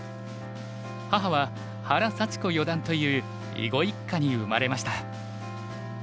母は原幸子四段という囲碁一家に生まれました。